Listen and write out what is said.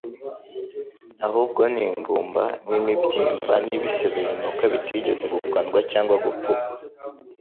ahubwo ni inguma n'imibyimba n'ibisebe binuka bitigeze gukandwa cyangwa gupfukwa.